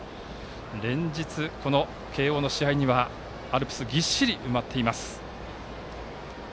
連日、慶応の試合にはアルプスぎっしり埋まっています。